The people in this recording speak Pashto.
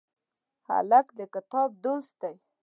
هلک د کتاب دوست دی.